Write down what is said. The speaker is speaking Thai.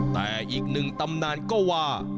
แต่อีกหนึ่งตำนานก็ว่า